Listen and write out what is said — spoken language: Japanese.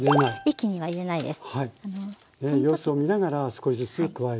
一気には入れないです。